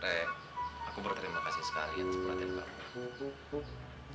rey aku berterima kasih sekalian sempurna dan parah